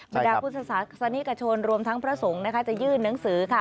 บรรดาพุทธศาสนิกชนรวมทั้งพระสงฆ์นะคะจะยื่นหนังสือค่ะ